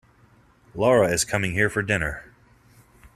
Lara is coming here for dinner.